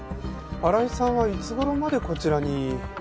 荒井さんはいつ頃までこちらに？